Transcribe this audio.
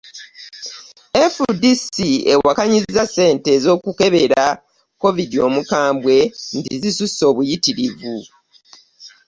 FDC ewakanyizza ssente z'okukebera Omukambwe nti zisusse obuyitirivu